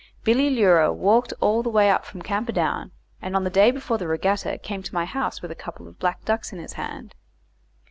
Billy Leura walked all the way from Camperdown, and on the day before the regatta came to my house with a couple of black ducks in his hand.